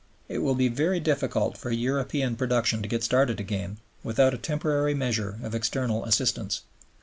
It will be very difficult for European production to get started again without a temporary measure of external assistance.